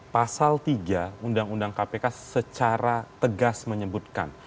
pasal tiga undang undang kpk secara tegas menyebutkan